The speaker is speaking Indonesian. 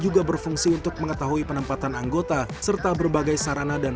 juga berfungsi untuk mengetahui penempatan anggota serta berusaha untuk memperbaiki kondisi yang ada di jalan